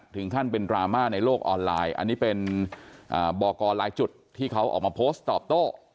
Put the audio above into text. ถึงขั้นเป็นดราม่าในโลกออนไลน์อันนี้เป็นบอกกรหลายจุดที่เขาออกมาโพสต์ตอบโต้